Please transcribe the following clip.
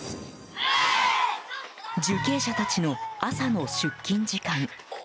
受刑者たちの朝の出勤時間。